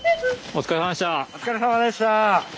お疲れさまでした。